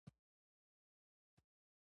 کله چې انسانانو د تیوسینټ وحشي بوټی وکاراوه